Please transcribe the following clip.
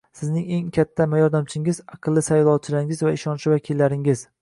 Sizning eng katta yordamchingiz - aqlli saylovchilaringiz va ishonchli vakillaringiz